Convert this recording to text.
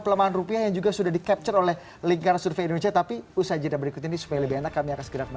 pelemahan rupiah yang juga sudah di capture oleh lingkaran survei